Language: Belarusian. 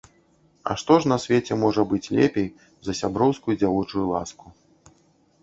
А што ж на свеце можа быць лепей за сяброўскую дзявочую ласку?